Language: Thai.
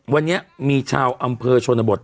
วันนี้มีชาวอำเภอชนบท